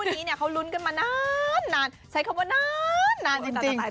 คู่นี้เขารุ้นกันมานานใช้คำว่านานจริง